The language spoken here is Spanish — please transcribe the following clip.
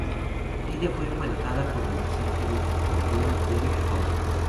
Ella fue emparejada con el cinco veces campeón, Derek Hough.